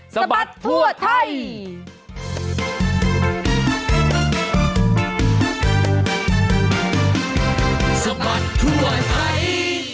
สะบัดทั่วไทย